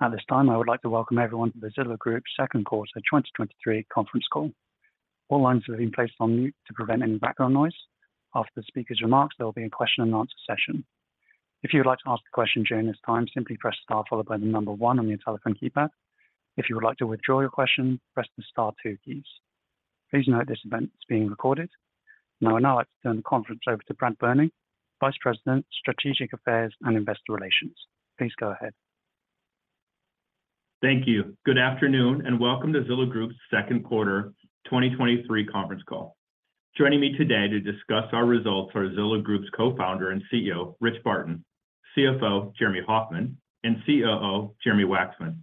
At this time, I would like to welcome everyone to the Zillow Group's 2nd quarter 2023 conference call. All lines have been placed on mute to prevent any background noise. After the speaker's remarks, there will be a question and answer session. If you would like to ask a question during this time, simply press star followed by the number one on your telephone keypad. If you would like to withdraw your question, press the star two keys. Please note this event is being recorded. Now I'd like to turn the conference over to Brad Berning, Vice President, Strategic Affairs and Investor Relations. Please go ahead. Thank you. Good afternoon. Welcome to Zillow Group's 2nd quarter 2023 conference call. Joining me today to discuss our results are Zillow Group's Co-founder and CEO, Rich Barton, CFO, Jeremy Hofmann, and COO, Jeremy Wacksman.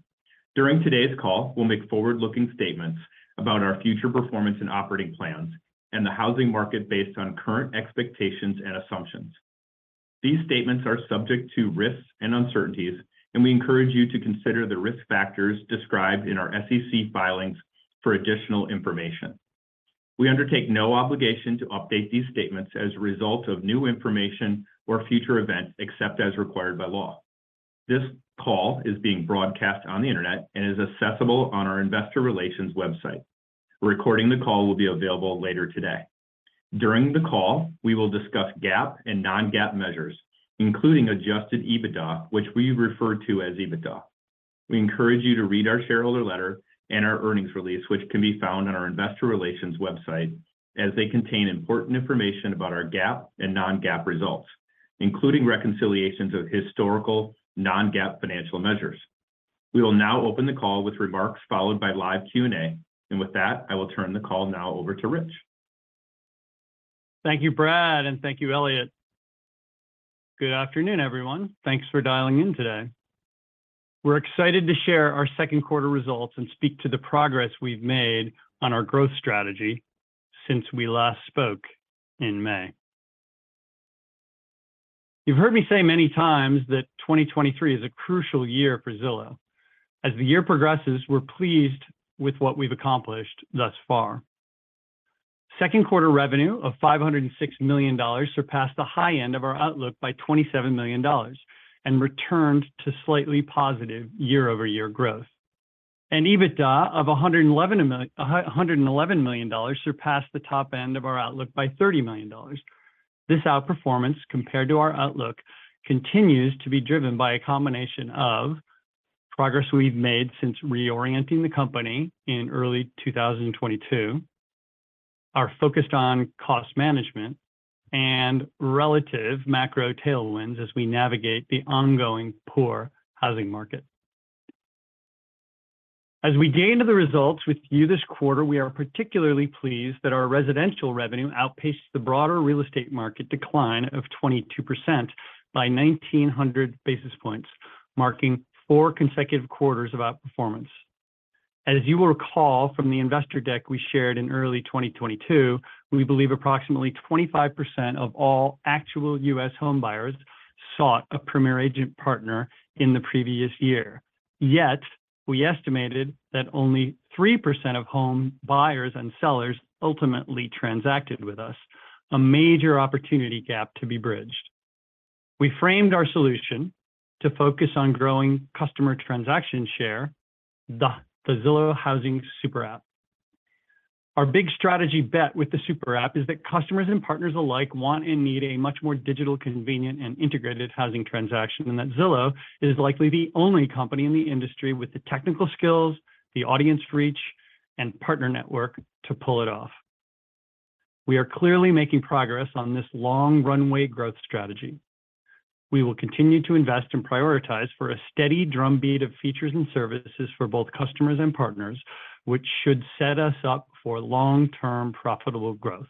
During today's call, we'll make forward-looking statements about our future performance and operating plans and the housing market based on current expectations and assumptions. These statements are subject to risks and uncertainties, and we encourage you to consider the risk factors described in our SEC filings for additional information. We undertake no obligation to update these statements as a result of new information or future events, except as required by law. This call is being broadcast on the internet and is accessible on our investor relations website. A recording of the call will be available later today. During the call, we will discuss GAAP and non-GAAP measures, including adjusted EBITDA, which we refer to as EBITDA. We encourage you to read our shareholder letter and our earnings release, which can be found on our investor relations website, as they contain important information about our GAAP and non-GAAP results, including reconciliations of historical non-GAAP financial measures. We will now open the call with remarks followed by live Q&A, and with that, I will turn the call now over to Rich. Thank you, Brad, and thank you, Elliot. Good afternoon, everyone. Thanks for dialing in today. We're excited to share our second quarter results and speak to the progress we've made on our growth strategy since we last spoke in May. You've heard me say many times that 2023 is a crucial year for Zillow. As the year progresses, we're pleased with what we've accomplished thus far. Second quarter revenue of $506 million surpassed the high end of our outlook by $27 million and returned to slightly positive year-over-year growth. EBITDA of $111 million, $111 million surpassed the top end of our outlook by $30 million. This outperformance, compared to our outlook, continues to be driven by a combination of progress we've made since reorienting the company in early 2022, are focused on cost management and relative macro tailwinds as we navigate the ongoing poor housing market. As we gain to the results with you this quarter, we are particularly pleased that our residential revenue outpaced the broader real estate market decline of 22% by 1,900 basis points, marking four consecutive quarters of outperformance. As you will recall from the investor deck we shared in early 2022, we believe approximately 25% of all actual U.S. home buyers sought a Premier Agent partner in the previous year. Yet, we estimated that only 3% of home buyers and sellers ultimately transacted with us, a major opportunity gap to be bridged. We framed our solution to focus on growing customer transaction share, the Zillow Housing Super App. Our big strategy bet with the Super App is that customers and partners alike want and need a much more digital, convenient, and integrated housing transaction, and that Zillow is likely the only company in the industry with the technical skills, the audience reach, and partner network to pull it off. We are clearly making progress on this long runway growth strategy. We will continue to invest and prioritize for a steady drumbeat of features and services for both customers and partners, which should set us up for long-term profitable growth.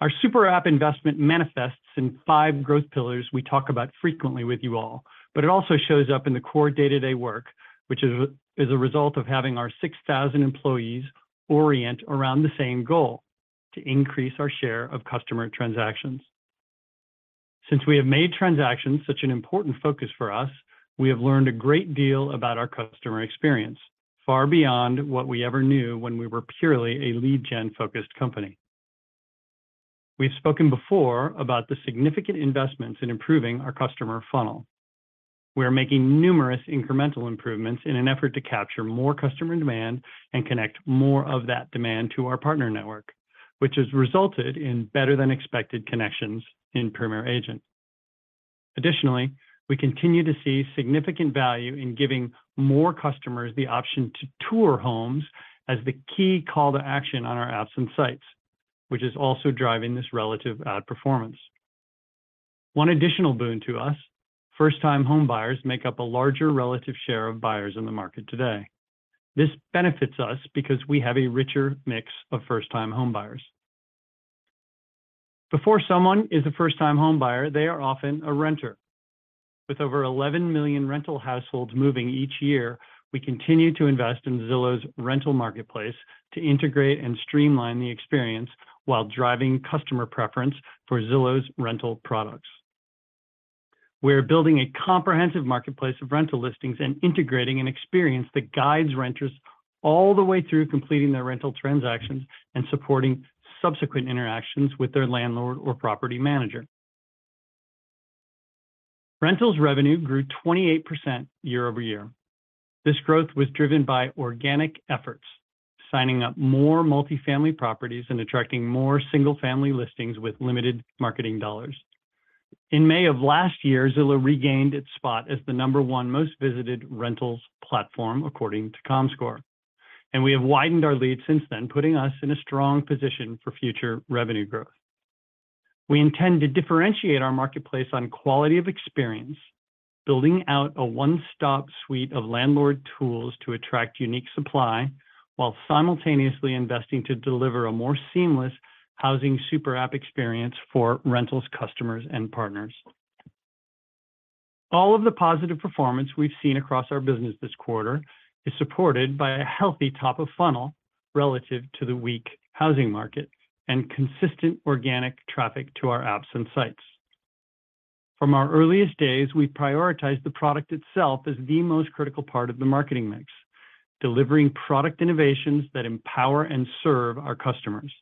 Our Super App investment manifests in five growth pillars we talk about frequently with you all. It also shows up in the core day-to-day work, which is a result of having our 6,000 employees orient around the same goal: to increase our share of customer transactions. Since we have made transactions such an important focus for us, we have learned a great deal about our customer experience, far beyond what we ever knew when we were purely a lead gen-focused company. We've spoken before about the significant investments in improving our customer funnel. We are making numerous incremental improvements in an effort to capture more customer demand and connect more of that demand to our partner network, which has resulted in better-than-expected connections in Premier Agent. Additionally, we continue to see significant value in giving more customers the option to tour homes as the key call to action on our apps and sites, which is also driving this relative outperformance. One additional boon to us, first-time home buyers make up a larger relative share of buyers in the market today. This benefits us because we have a richer mix of first-time home buyers. Before someone is a first-time home buyer, they are often a renter. With over 11 million rental households moving each year, we continue to invest in Zillow's rental marketplace to integrate and streamline the experience while driving customer preference for Zillow's rental products. We are building a comprehensive marketplace of rental listings and integrating an experience that guides renters all the way through completing their rental transactions and supporting subsequent interactions with their landlord or property manager. Rentals revenue grew 28% year-over-year. This growth was driven by organic efforts, signing up more multifamily properties and attracting more single-family listings with limited marketing dollars. In May of last year, Zillow regained its spot as the number 1 most visited rentals platform, according to Comscore, and we have widened our lead since then, putting us in a strong position for future revenue growth. We intend to differentiate our marketplace on quality of experience, building out a one-stop suite of landlord tools to attract unique supply, while simultaneously investing to deliver a more seamless housing super app experience for rentals customers and partners. All of the positive performance we've seen across our business this quarter is supported by a healthy top of funnel relative to the weak housing market and consistent organic traffic to our apps and sites. From our earliest days, we've prioritized the product itself as the most critical part of the marketing mix, delivering product innovations that empower and serve our customers.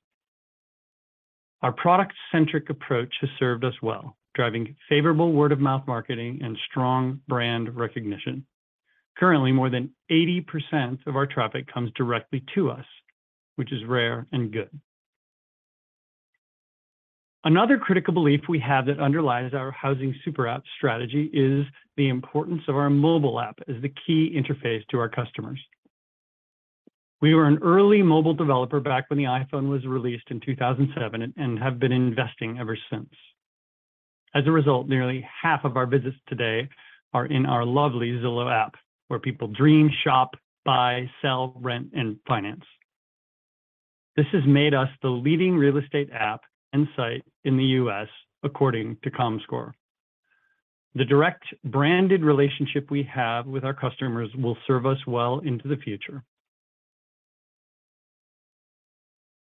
Our product-centric approach has served us well, driving favorable word-of-mouth marketing and strong brand recognition. Currently, more than 80% of our traffic comes directly to us, which is rare and good. Another critical belief we have that underlies our housing super app strategy is the importance of our mobile app as the key interface to our customers. We were an early mobile developer back when the iPhone was released in 2007, and have been investing ever since. As a result, nearly half of our business today are in our lovely Zillow app, where people dream, shop, buy, sell, rent, and finance. This has made us the leading real estate app and site in the U.S., according to Comscore. The direct branded relationship we have with our customers will serve us well into the future.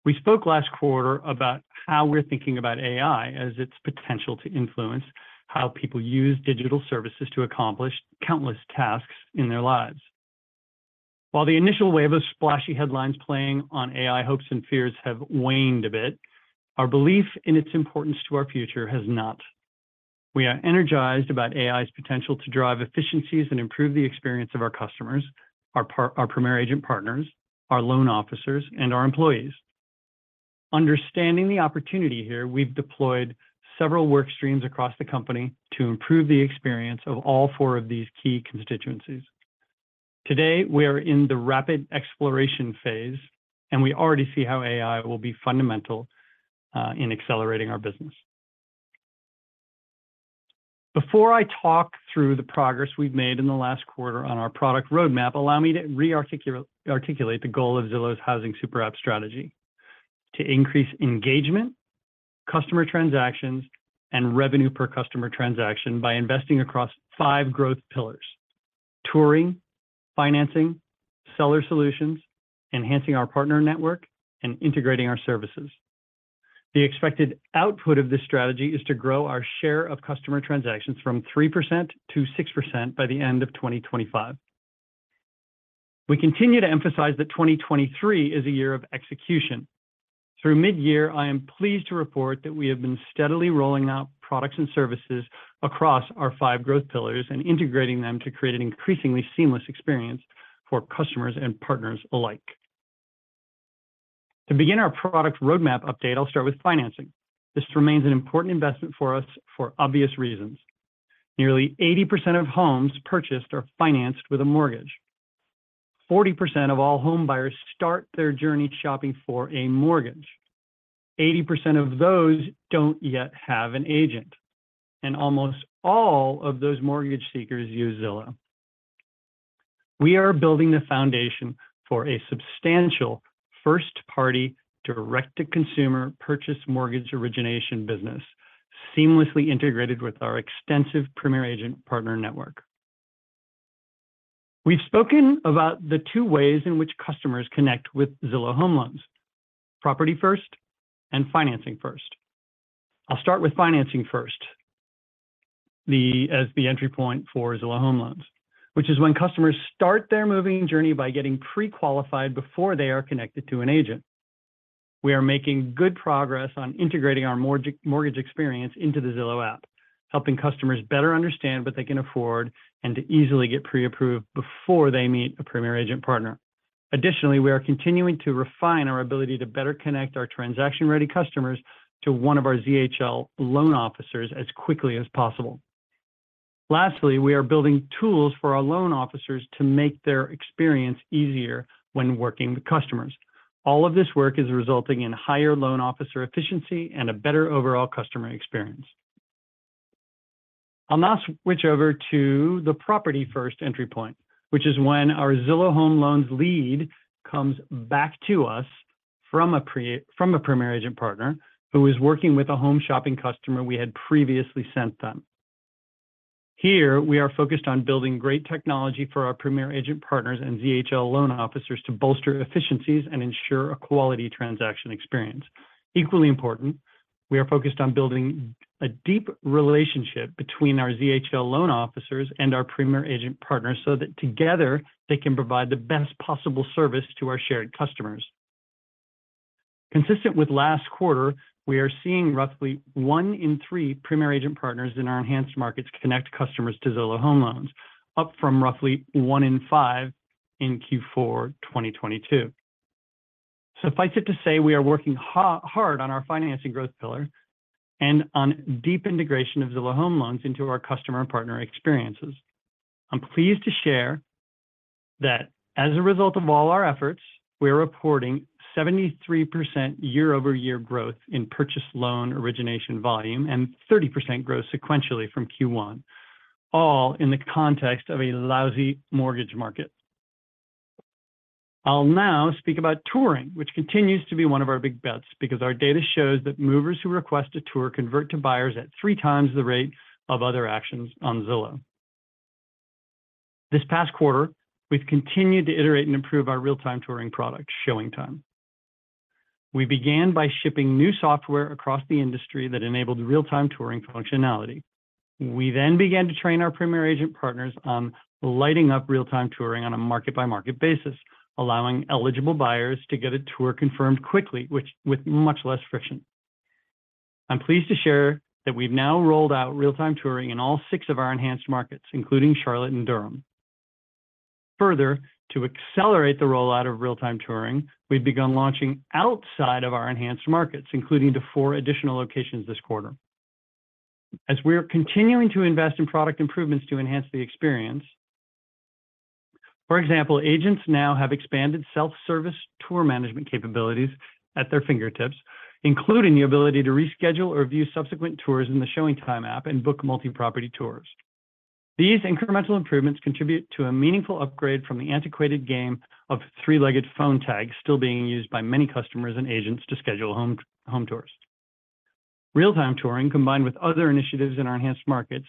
We spoke last quarter about how we're thinking about AI as its potential to influence how people use digital services to accomplish countless tasks in their lives. While the initial wave of splashy headlines playing on AI hopes and fears have waned a bit, our belief in its importance to our future has not. We are energized about AI's potential to drive efficiencies and improve the experience of our customers, our Premier Agent partners, our loan officers, and our employees. Understanding the opportunity here, we've deployed several work streams across the company to improve the experience of all four of these key constituencies. Today, we are in the rapid exploration phase, and we already see how AI will be fundamental in accelerating our business. Before I talk through the progress we've made in the last quarter on our product roadmap, allow me to articulate the goal of Zillow's housing super app strategy: to increase engagement, customer transactions, and revenue per customer transaction by investing across five growth pillars: touring, financing, seller solutions, enhancing our partner network, and integrating our services. The expected output of this strategy is to grow our share of customer transactions from 3%-6% by the end of 2025. We continue to emphasize that 2023 is a year of execution. Through mid-year, I am pleased to report that we have been steadily rolling out products and services across our five growth pillars and integrating them to create an increasingly seamless experience for customers and partners alike. To begin our product roadmap update, I'll start with financing. This remains an important investment for us for obvious reasons. Nearly 80% of homes purchased are financed with a mortgage. 40% of all home buyers start their journey shopping for a mortgage. 80% of those don't yet have an agent, and almost all of those mortgage seekers use Zillow. We are building the foundation for a substantial first-party, direct-to-consumer, purchase mortgage origination business, seamlessly integrated with our extensive Premier Agent partner network. We've spoken about the two ways in which customers connect with Zillow Home Loans: property first and financing first. I'll start with financing first. As the entry point for Zillow Home Loans, which is when customers start their moving journey by getting pre-qualified before they are connected to an agent. We are making good progress on integrating our mortgage experience into the Zillow app, helping customers better understand what they can afford and to easily get pre-approved before they meet a Premier Agent partner. Additionally, we are continuing to refine our ability to better connect our transaction-ready customers to one of our ZHL loan officers as quickly as possible. Lastly, we are building tools for our loan officers to make their experience easier when working with customers. All of this work is resulting in higher loan officer efficiency and a better overall customer experience. I'll now switch over to the property-first entry point, which is when our Zillow Home Loans lead comes back to us from a Premier Agent partner who is working with a home shopping customer we had previously sent them. Here, we are focused on building great technology for our Premier Agent partners and ZHL loan officers to bolster efficiencies and ensure a quality transaction experience. Equally important, we are focused on building a deep relationship between our ZHL loan officers and our Premier Agent partners so that together, they can provide the best possible service to our shared customers. Consistent with last quarter, we are seeing roughly one in three Premier Agent partners in our enhanced markets connect customers to Zillow Home Loans, up from roughly one in five in Q4 2022. Suffice it to say, we are working hard on our financing growth pillar and on deep integration of Zillow Home Loans into our customer and partner experiences. I'm pleased to share that as a result of all our efforts, we are reporting 73% year-over-year growth in purchase loan origination volume and 30% growth sequentially from Q1, all in the context of a lousy mortgage market. I'll now speak about touring, which continues to be one of our big bets because our data shows that movers who request a tour convert to buyers at three times the rate of other actions on Zillow. This past quarter, we've continued to iterate and improve our real-time touring product, ShowingTime. We began by shipping new software across the industry that enabled real-time touring functionality. We then began to train our Premier Agent partners on lighting up real-time touring on a market-by-market basis, allowing eligible buyers to get a tour confirmed quickly, with much less friction. I'm pleased to share that we've now rolled out real-time touring in all six of our enhanced markets, including Charlotte and Durham. Further, to accelerate the rollout of real-time touring, we've begun launching outside of our enhanced markets, including to four additional locations this quarter. As we are continuing to invest in product improvements to enhance the experience, for example, agents now have expanded self-service tour management capabilities at their fingertips, including the ability to reschedule or view subsequent tours in the ShowingTime app and book multi-property tours. These incremental improvements contribute to a meaningful upgrade from the antiquated game of three-legged phone tag still being used by many customers and agents to schedule home, home tours. Real-time touring, combined with other initiatives in our enhanced markets,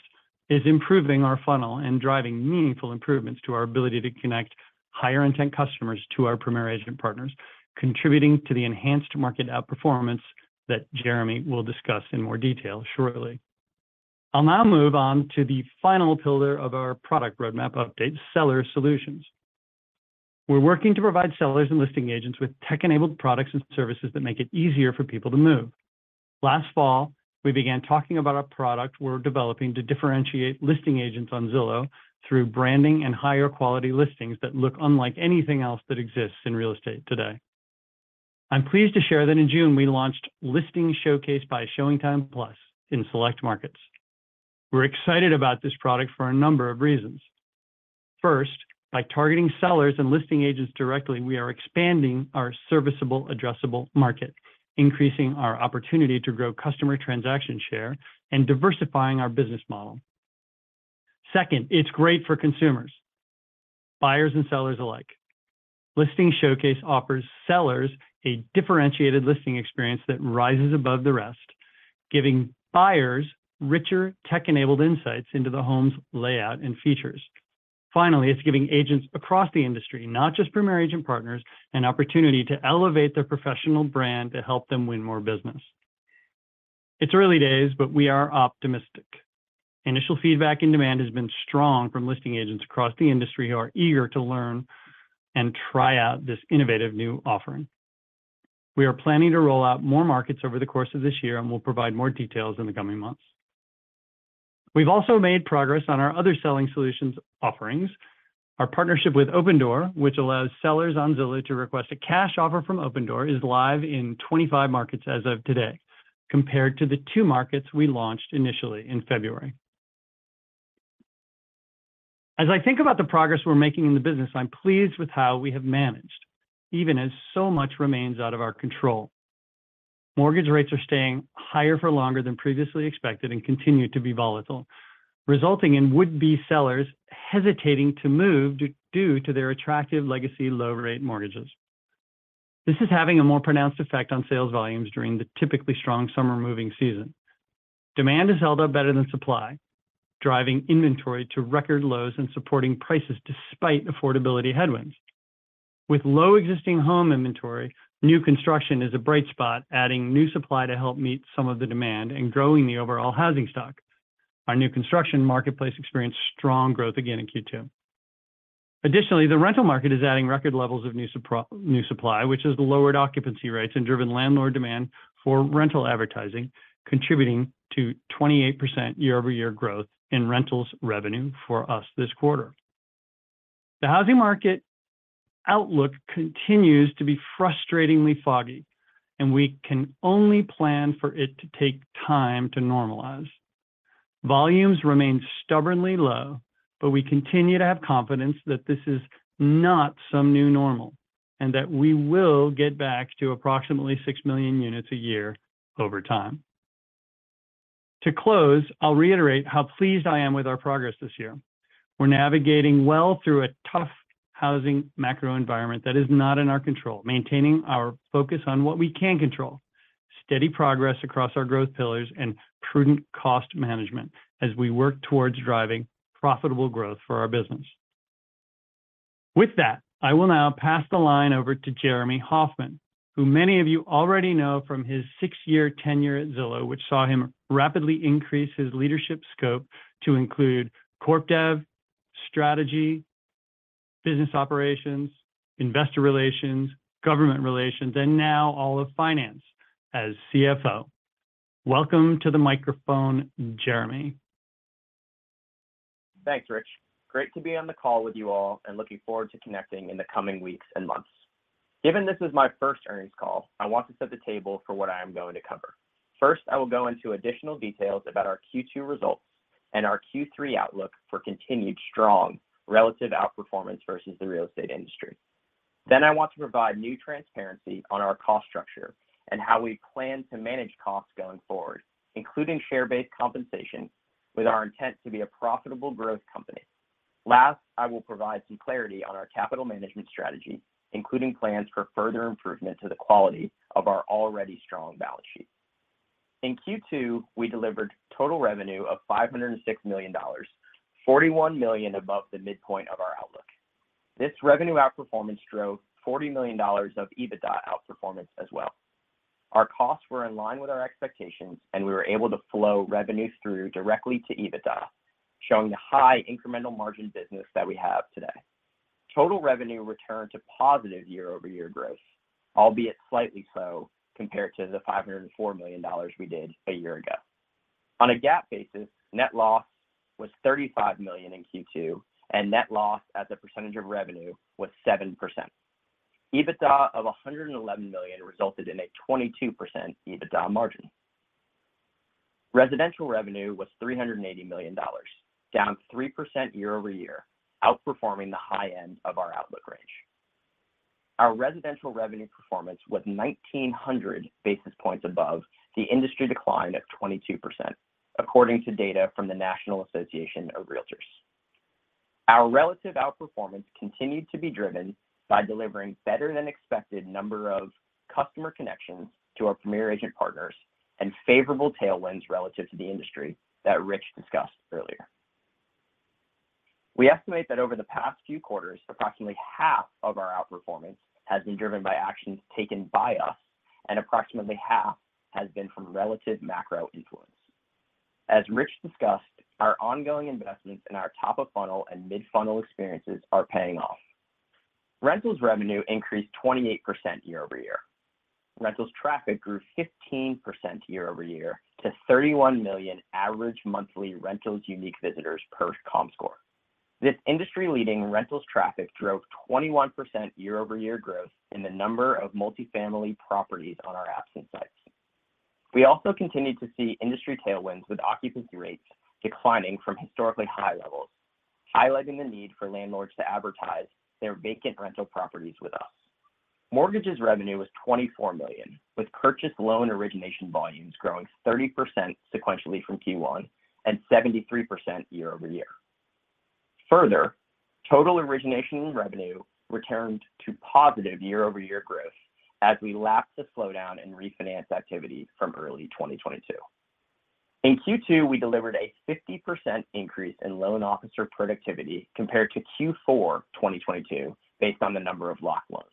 is improving our funnel and driving meaningful improvements to our ability to connect higher intent customers to our Premier Agent partners, contributing to the enhanced market outperformance that Jeremy will discuss in more detail shortly. I'll now move on to the final pillar of our product roadmap update, Seller Solutions. We're working to provide sellers and listing agents with tech-enabled products and services that make it easier for people to move. Last fall, we began talking about a product we're developing to differentiate listing agents on Zillow through branding and higher quality listings that look unlike anything else that exists in real estate today. I'm pleased to share that in June, we launched Listing Showcase by ShowingTime+ in select markets. We're excited about this product for a number of reasons. First, by targeting sellers and listing agents directly, we are expanding our serviceable addressable market, increasing our opportunity to grow customer transaction share, and diversifying our business model. Second, it's great for consumers, buyers and sellers alike. Listing Showcase offers sellers a differentiated listing experience that rises above the rest, giving buyers richer, tech-enabled insights into the home's layout and features. Finally, it's giving agents across the industry, not just Premier Agent partners, an opportunity to elevate their professional brand to help them win more business. It's early days, but we are optimistic. Initial feedback and demand has been strong from listing agents across the industry who are eager to learn and try out this innovative new offering. We are planning to roll out more markets over the course of this year, and we'll provide more details in the coming months. We've also made progress on our other selling solutions offerings. Our partnership with Opendoor, which allows sellers on Zillow to request a cash offer from Opendoor, is live in 25 markets as of today, compared to the two markets we launched initially in February. As I think about the progress we're making in the business, I'm pleased with how we have managed, even as so much remains out of our control. Mortgage rates are staying higher for longer than previously expected and continue to be volatile, resulting in would-be sellers hesitating to move due to their attractive legacy low rate mortgages. This is having a more pronounced effect on sales volumes during the typically strong summer moving season. Demand has held up better than supply, driving inventory to record lows and supporting prices despite affordability headwinds. With low existing home inventory, new construction is a bright spot, adding new supply to help meet some of the demand and growing the overall housing stock. Our new construction marketplace experienced strong growth again in Q2. Additionally, the rental market is adding record levels of new supply, which has lowered occupancy rates and driven landlord demand for rental advertising, contributing to 28% year-over-year growth in rentals revenue for us this quarter. The housing market outlook continues to be frustratingly foggy, and we can only plan for it to take time to normalize. Volumes remain stubbornly low, but we continue to have confidence that this is not some new normal and that we will get back to approximately 6 million units a year over time. To close, I'll reiterate how pleased I am with our progress this year. We're navigating well through a tough housing macro environment that is not in our control, maintaining our focus on what we can control, steady progress across our growth pillars, and prudent cost management as we work towards driving profitable growth for our business. With that, I will now pass the line over to Jeremy Hofmann, who many of you already know from his 6-year tenure at Zillow, which saw him rapidly increase his leadership scope to include corp dev, strategy, business operations, investor relations, government relations, and now all of finance as CFO. Welcome to the microphone, Jeremy. Thanks, Rich. Great to be on the call with you all, and looking forward to connecting in the coming weeks and months. Given this is my first earnings call, I want to set the table for what I am going to cover. First, I will go into additional details about our Q2 results and our Q3 outlook for continued strong relative outperformance versus the real estate industry. I want to provide new transparency on our cost structure and how we plan to manage costs going forward, including share-based compensation, with our intent to be a profitable growth company. Last, I will provide some clarity on our capital management strategy, including plans for further improvement to the quality of our already strong balance sheet. In Q2, we delivered total revenue of $506 million, $41 million above the midpoint of our outlook. This revenue outperformance drove $40 million of EBITDA outperformance as well. Our costs were in line with our expectations, and we were able to flow revenue through directly to EBITDA, showing the high incremental margin business that we have today. Total revenue returned to positive year-over-year growth, albeit slightly so, compared to the $504 million we did a year ago. On a GAAP basis, net loss was $35 million in Q2, and net loss as a percentage of revenue was 7%. EBITDA of $111 million resulted in a 22% EBITDA margin. Residential revenue was $380 million, down 3% year-over-year, outperforming the high end of our outlook range. Our residential revenue performance was 1,900 basis points above the industry decline of 22%, according to data from the National Association of Realtors. Our relative outperformance continued to be driven by delivering better than expected number of customer connections to our Premier Agent partners and favorable tailwinds relative to the industry that Rich discussed earlier. We estimate that over the past few quarters, approximately half of our outperformance has been driven by actions taken by us, and approximately half has been from relative macro influence. As Rich discussed, our ongoing investments in our top-of-funnel and mid-funnel experiences are paying off. Rentals revenue increased 28% year-over-year. Rentals traffic grew 15% year-over-year to 31 million average monthly rentals unique visitors per Comscore. This industry-leading rentals traffic drove 21% year-over-year growth in the number of multifamily properties on our apps and sites. We also continued to see industry tailwinds, with occupancy rates declining from historically high levels, highlighting the need for landlords to advertise their vacant rental properties with us. Mortgages revenue was $24 million, with purchase loan origination volumes growing 30% sequentially from Q1 and 73% year-over-year. Further, total origination revenue returned to positive year-over-year growth as we lap the slowdown in refinance activity from early 2022. In Q2, we delivered a 50% increase in loan officer productivity compared to Q4 2022, based on the number of locked loans.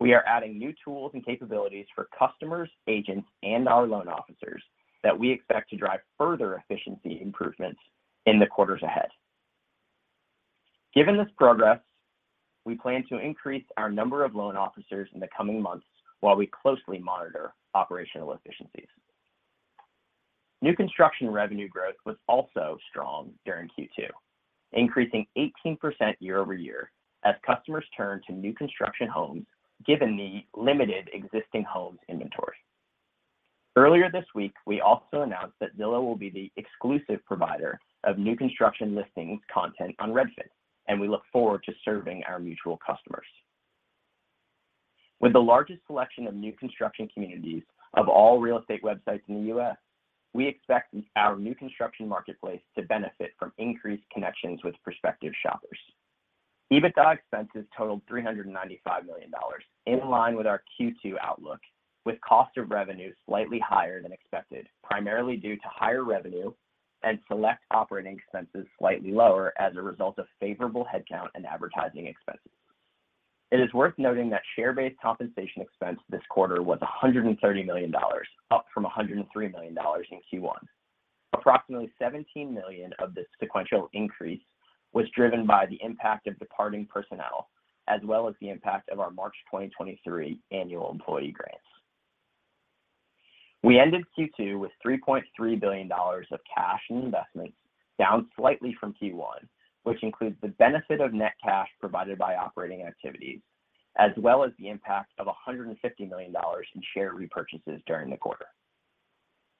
We are adding new tools and capabilities for customers, agents, and our loan officers that we expect to drive further efficiency improvements in the quarters ahead. Given this progress, we plan to increase our number of loan officers in the coming months while we closely monitor operational efficiencies. New construction revenue growth was also strong during Q2, increasing 18% year-over-year as customers turn to new construction homes, given the limited existing homes inventory. Earlier this week, we also announced that Zillow will be the exclusive provider of new construction listings content on Redfin, and we look forward to serving our mutual customers. With the largest selection of new construction communities of all real estate websites in the U.S., we expect our new construction marketplace to benefit from increased connections with prospective shoppers. EBITDA expenses totaled $395 million, in line with our Q2 outlook, with cost of revenue slightly higher than expected, primarily due to higher revenue and select operating expenses slightly lower as a result of favorable headcount and advertising expenses. It is worth noting that share-based compensation expense this quarter was $130 million, up from $103 million in Q1. Approximately $17 million of this sequential increase was driven by the impact of departing personnel, as well as the impact of our March 2023 annual employee grants. We ended Q2 with $3.3 billion of cash and investments, down slightly from Q1, which includes the benefit of net cash provided by operating activities, as well as the impact of $150 million in share repurchases during the quarter.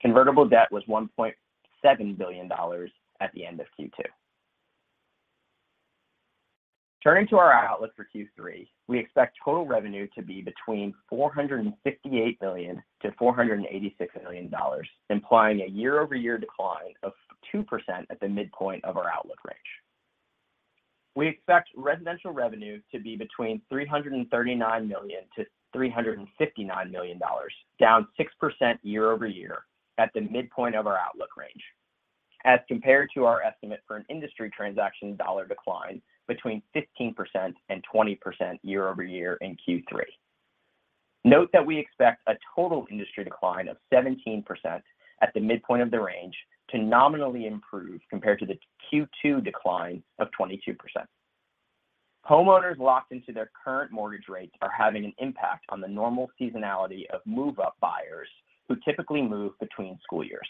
Convertible debt was $1.7 billion at the end of Q2. Turning to our outlook for Q3, we expect total revenue to be between $458 million-$486 million, implying a year-over-year decline of 2% at the midpoint of our outlook range. We expect residential revenue to be between $339 million-$359 million, down 6% year-over-year at the midpoint of our outlook range. as compared to our estimate for an industry transaction dollar decline between 15% and 20% year-over-year in Q3. Note that we expect a total industry decline of 17% at the midpoint of the range to nominally improve compared to the Q2 decline of 22%. Homeowners locked into their current mortgage rates are having an impact on the normal seasonality of move-up buyers, who typically move between school years.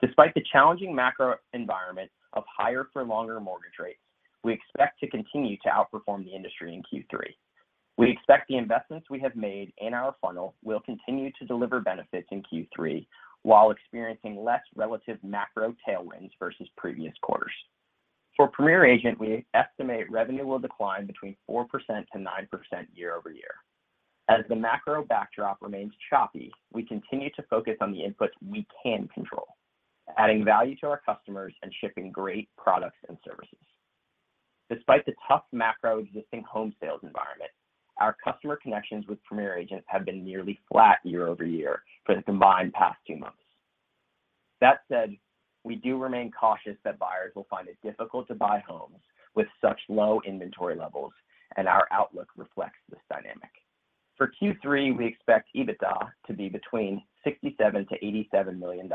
Despite the challenging macro environment of higher for longer mortgage rates, we expect to continue to outperform the industry in Q3. We expect the investments we have made in our funnel will continue to deliver benefits in Q3, while experiencing less relative macro tailwinds versus previous quarters. For Premier Agent, we estimate revenue will decline between 4% and 9% year-over-year. As the macro backdrop remains choppy, we continue to focus on the inputs we can control, adding value to our customers and shipping great products and services. Despite the tough macro existing home sales environment, our customer connections with Premier Agents have been nearly flat year-over-year for the combined past two months. That said, we do remain cautious that buyers will find it difficult to buy homes with such low inventory levels, and our outlook reflects this dynamic. For Q3, we expect EBITDA to be between $67 million-$87 million,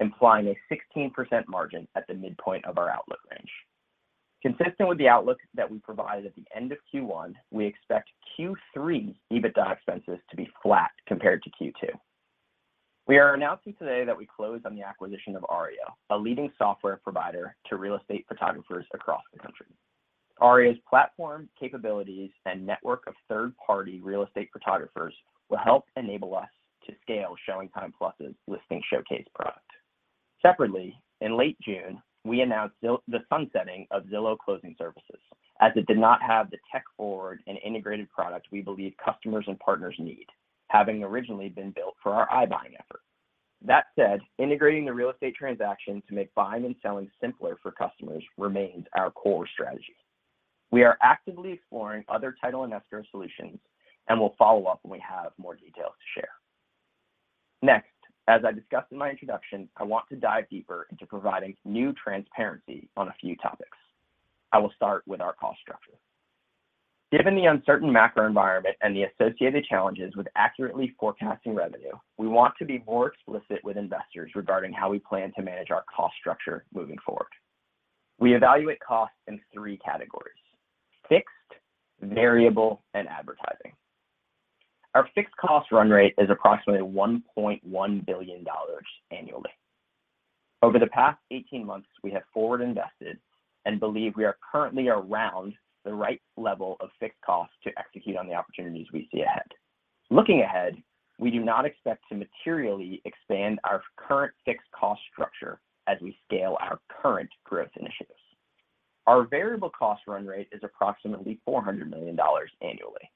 implying a 16% margin at the midpoint of our outlook range. Consistent with the outlook that we provided at the end of Q1, we expect Q3 EBITDA expenses to be flat compared to Q2. We are announcing today that we closed on the acquisition of Aryeo, a leading software provider to real estate photographers across the country. Aryeo's platform, capabilities, and network of third-party real estate photographers will help enable us to scale ShowingTime+'s Listing Showcase product. Separately, in late June, we announced the sunsetting of Zillow Closing Services, as it did not have the tech-forward and integrated product we believe customers and partners need, having originally been built for our iBuying effort. That said, integrating the real estate transaction to make buying and selling simpler for customers remains our core strategy. We are actively exploring other title and escrow solutions and will follow up when we have more details to share. Next, as I discussed in my introduction, I want to dive deeper into providing new transparency on a few topics. I will start with our cost structure. Given the uncertain macro environment and the associated challenges with accurately forecasting revenue, we want to be more explicit with investors regarding how we plan to manage our cost structure moving forward. We evaluate costs in three categories: fixed, variable, and advertising. Our fixed cost run rate is approximately $1.1 billion annually. Over the past 18 months, we have forward invested and believe we are currently around the right level of fixed costs to execute on the opportunities we see ahead. Looking ahead, we do not expect to materially expand our current fixed cost structure as we scale our current growth initiatives. Our variable cost run rate is approximately $400 million annually.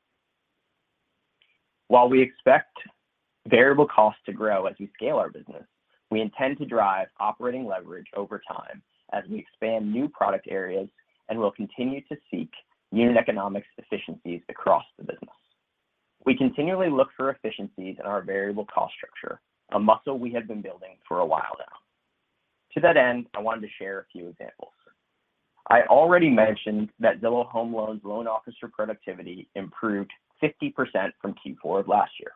While we expect variable costs to grow as we scale our business, we intend to drive operating leverage over time as we expand new product areas, and will continue to seek unit economics efficiencies across the business. We continually look for efficiencies in our variable cost structure, a muscle we have been building for a while now. To that end, I wanted to share a few examples. I already mentioned that Zillow Home Loans' loan officer productivity improved 50% from Q4 of last year.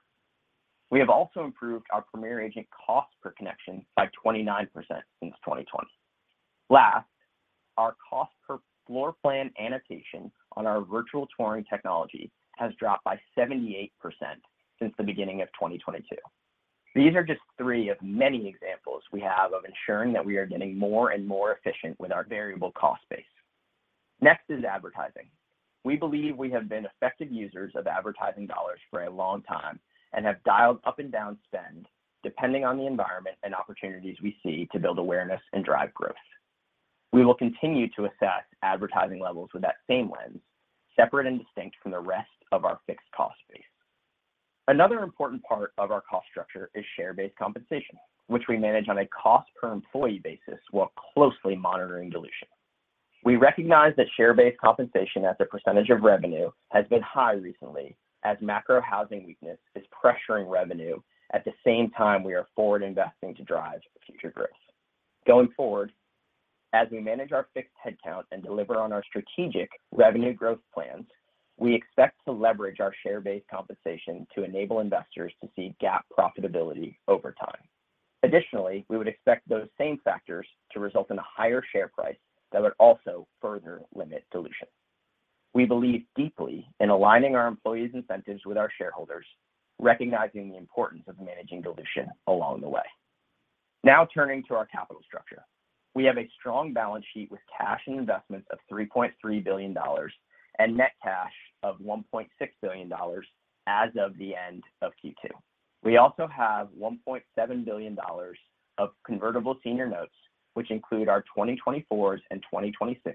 We have also improved our Premier Agent cost per connection by 29% since 2020. Last, our cost per floor plan annotation on our virtual touring technology has dropped by 78% since the beginning of 2022. These are just three of many examples we have of ensuring that we are getting more and more efficient with our variable cost base. Next is advertising. We believe we have been effective users of advertising dollars for a long time and have dialed up and down spend, depending on the environment and opportunities we see to build awareness and drive growth. We will continue to assess advertising levels with that same lens, separate and distinct from the rest of our fixed cost base. Another important part of our cost structure is share-based compensation, which we manage on a cost per employee basis while closely monitoring dilution. We recognize that share-based compensation as a percentage of revenue has been high recently, as macro housing weakness is pressuring revenue, at the same time we are forward investing to drive future growth. Going forward, as we manage our fixed headcount and deliver on our strategic revenue growth plans, we expect to leverage our share-based compensation to enable investors to see GAAP profitability over time. Additionally, we would expect those same factors to result in a higher share price that would also further limit dilution. We believe deeply in aligning our employees' incentives with our shareholders, recognizing the importance of managing dilution along the way. Now, turning to our capital structure. We have a strong balance sheet with cash and investments of $3.3 billion and net cash of $1.6 billion as of the end of Q2. We also have $1.7 billion of convertible senior notes, which include our 2024s and 2026s,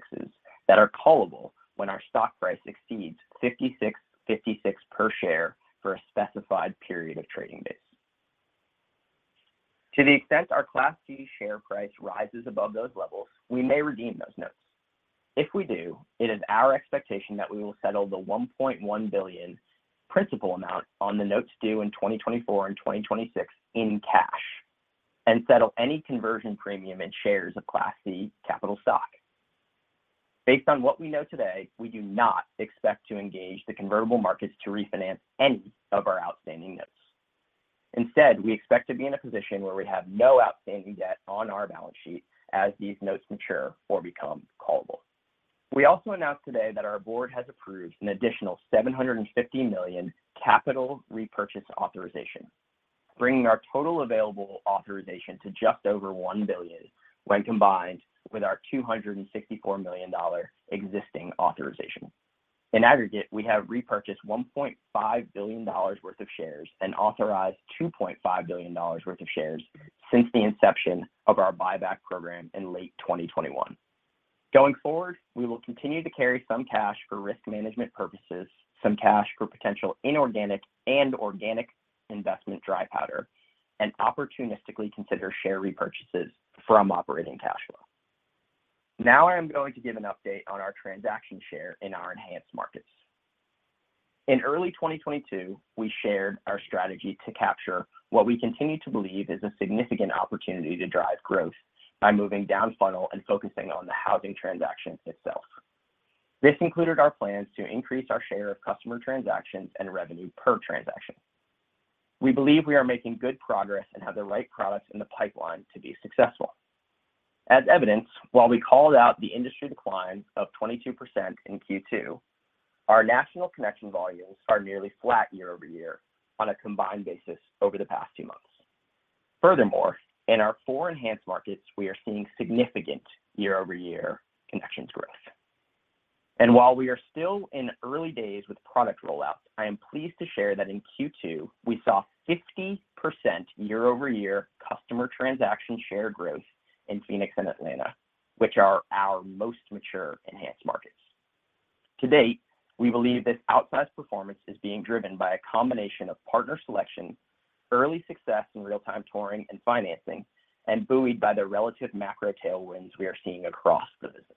that are callable when our stock price exceeds $56.56 per share for a specified period of trading days. To the extent our Class C share price rises above those levels, we may redeem those notes. If we do, it is our expectation that we will settle the $1.1 billion principal amount on the notes due in 2024 and 2026 in cash, and settle any conversion premium in shares of Class C capital stock. Based on what we know today, we do not expect to engage the convertible markets to refinance any of our outstanding notes. Instead, we expect to be in a position where we have no outstanding debt on our balance sheet as these notes mature or become callable. We also announced today that our board has approved an additional $750 million capital repurchase authorization, bringing our total available authorization to just over $1 billion, when combined with our $264 million existing authorization. In aggregate, we have repurchased $1.5 billion worth of shares and authorized $2.5 billion worth of shares since the inception of our buyback program in late 2021. Going forward, we will continue to carry some cash for risk management purposes, some cash for potential inorganic and organic investment dry powder, and opportunistically consider share repurchases from operating cash flow. I am going to give an update on our transaction share in our enhanced markets. In early 2022, we shared our strategy to capture what we continue to believe is a significant opportunity to drive growth by moving down funnel and focusing on the housing transaction itself. This included our plans to increase our share of customer transactions and revenue per transaction. We believe we are making good progress and have the right products in the pipeline to be successful. As evidenced, while we called out the industry decline of 22% in Q2, our national connection volumes are nearly flat year-over-year on a combined basis over the past two months. Furthermore, in our four enhanced markets, we are seeing significant year-over-year connections growth. While we are still in early days with product rollout, I am pleased to share that in Q2, we saw 50% year-over-year customer transaction share growth in Phoenix and Atlanta, which are our most mature enhanced markets. To date, we believe this outsized performance is being driven by a combination of partner selection, early success in real-time touring and financing, and buoyed by the relative macro tailwinds we are seeing across the business.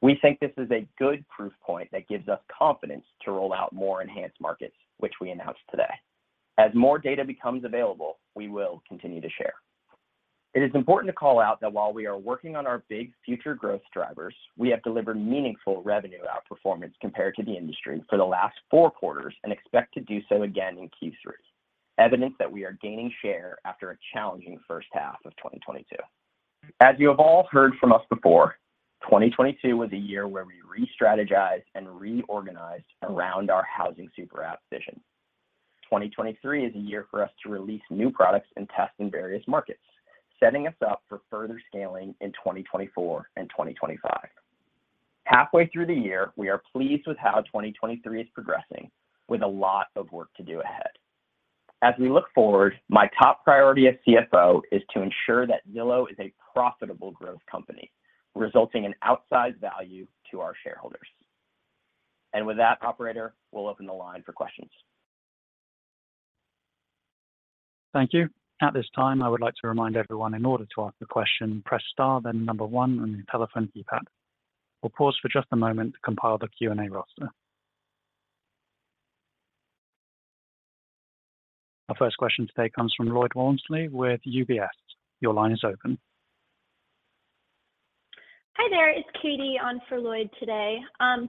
We think this is a good proof point that gives us confidence to roll out more enhanced markets, which we announced today. As more data becomes available, we will continue to share. It is important to call out that while we are working on our big future growth drivers, we have delivered meaningful revenue outperformance compared to the industry for the last four quarters and expect to do so again in Q3, evidence that we are gaining share after a challenging first half of 2022. As you have all heard from us before, 2022 was a year where we restrategized and reorganized around our housing super app vision. 2023 is a year for us to release new products and test in various markets, setting us up for further scaling in 2024 and 2025. Halfway through the year, we are pleased with how 2023 is progressing, with a lot of work to do ahead. As we look forward, my top priority as CFO is to ensure that Zillow is a profitable growth company, resulting in outsized value to our shareholders. With that, operator, we'll open the line for questions. Thank you. At this time, I would like to remind everyone, in order to ask a question, press star, then number one on your telephone keypad. We'll pause for just a moment to compile the Q&A roster. Our first question today comes from Lloyd Walmsley with UBS. Your line is open. Hi, there. It's Katie on for Lloyd today.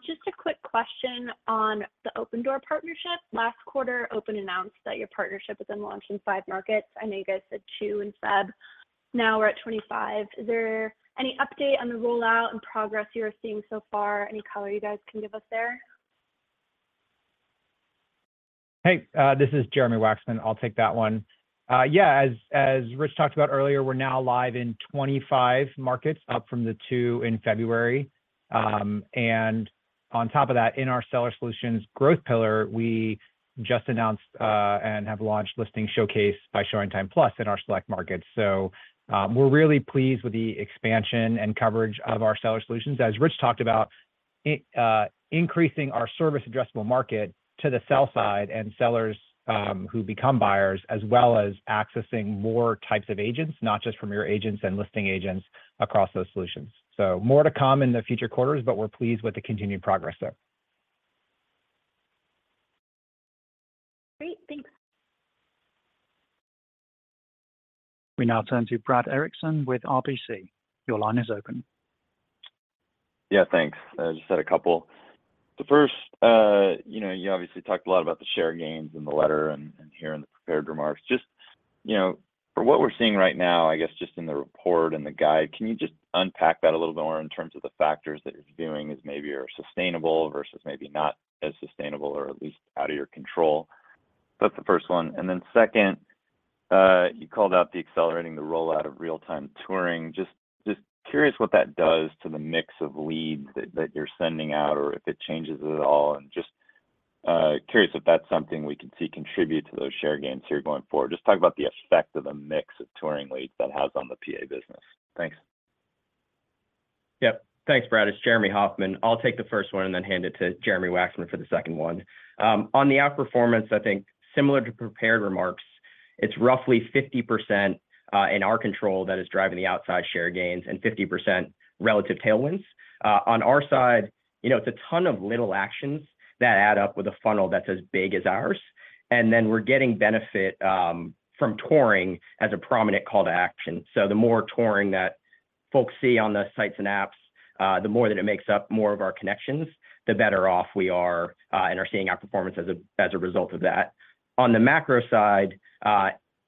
Just a quick question on the Opendoor partnership. Last quarter, Opendoor announced that your partnership has been launched in five markets. I know you guys said two in Feb, now we're at 25. Is there any update on the rollout and progress you are seeing so far? Any color you guys can give us there? Hey, this is Jeremy Wacksman. I'll take that one. Yeah, as Rich talked about earlier, we're now live in 25 markets, up from the two in February. On top of that, in our Seller Solutions growth pillar, we just announced and have launched Listing Showcase by ShowingTime+ in our select markets. We're really pleased with the expansion and coverage of our Seller Solutions. As Rich talked about, increasing our service addressable market to the sell side, and sellers, who become buyers, as well as accessing more types of agents, not just Premier Agents and listing agents across those solutions. More to come in the future quarters, but we're pleased with the continued progress there. Great. Thanks. We now turn to Brad Erickson with RBC. Your line is open. Yeah, thanks. I just have a couple. The first, you know, you obviously talked a lot about the share gains in the letter and, and here in the prepared remarks. Just, you know, from what we're seeing right now, I guess, just in the report and the guide, can you just unpack that a little bit more in terms of the factors that you're viewing as maybe are sustainable versus maybe not as sustainable or at least out of your control? That's the first one. Then second, you called out the accelerating the rollout of real-time touring. Just, just curious what that does to the mix of leads that, that you're sending out, or if it changes at all, and just, curious if that's something we can see contribute to those share gains here going forward. Just talk about the effect of the mix of touring leads that has on the PA business. Thanks. Yep. Thanks, Brad. It's Jeremy Hofmann. I'll take the first one and then hand it to Jeremy Wacksman for the second one. On the outperformance, I think similar to prepared remarks, it's roughly 50% in our control that is driving the outside share gains, and 50% relative tailwinds. On our side, you know, it's a ton of little actions that add up with a funnel that's as big as ours, and then we're getting benefit from touring as a prominent call to action. The more touring that folks see on the sites and apps, the more that it makes up more of our connections, the better off we are, and are seeing our performance as a, as a result of that. On the macro side,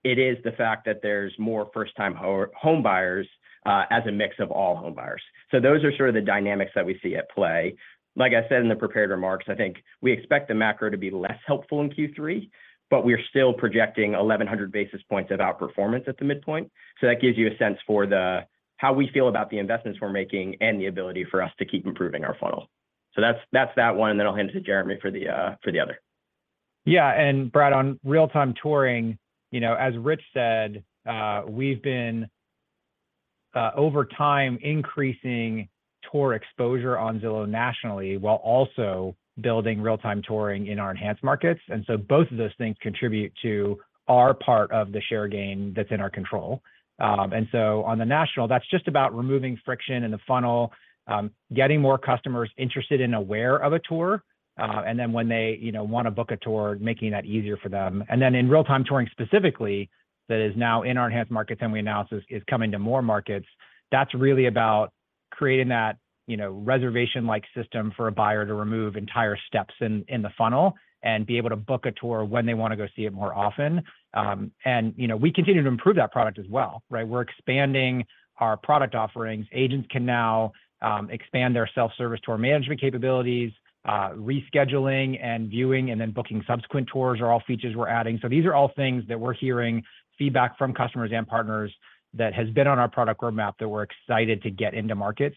it is the fact that there's more first-time home buyers as a mix of all home buyers. Those are sort of the dynamics that we see at play. Like I said in the prepared remarks, I think we expect the macro to be less helpful in Q3, but we are still projecting 1,100 basis points of outperformance at the midpoint. That gives you a sense for how we feel about the investments we're making and the ability for us to keep improving our funnel. That's, that's that one, and then I'll hand it to Jeremy for the for the other. Brad, on real-time touring, you know, as Rich said, we've been over time, increasing tour exposure on Zillow nationally, while also building real-time touring in our enhanced markets, both of those things contribute to our part of the share gain that's in our control. On the national, that's just about removing friction in the funnel, getting more customers interested and aware of a tour, when they, you know, want to book a tour, making that easier for them. In real-time touring specifically, that is now in our enhanced markets and we announced is, is coming to more markets, that's really about creating that, you know, reservation-like system for a buyer to remove entire steps in, in the funnel and be able to book a tour when they want to go see it more often. You know, we continue to improve that product as well, right? We're expanding our product offerings. Agents can now expand their self-service tour management capabilities, rescheduling and viewing, and then booking subsequent tours are all features we're adding. These are all things that we're hearing feedback from customers and partners that has been on our product roadmap that we're excited to get into market.